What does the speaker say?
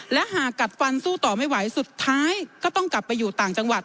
และหากกัดฟันสู้ต่อไม่ไหวสุดท้ายก็ต้องกลับไปอยู่ต่างจังหวัด